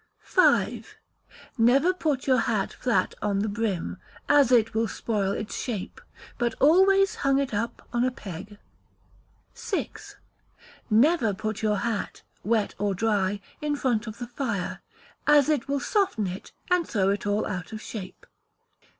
v. Never put your hat flat on the brim, as it will spoil its shape; but always hung it up on a peg. vi. Never put your hat, wet or dry, in front of the fire, as it will soften it, and throw it all out of shape.